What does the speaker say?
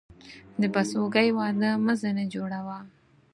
د بسوگى واده مه ځيني جوړوه.